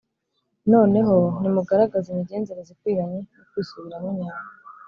Noneho nimugaragaze imigenzereze ikwiranye n'ukwisubiraho nyako